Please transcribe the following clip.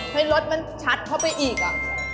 ให้รถมันชัดเข้าไปอีกอ่ะ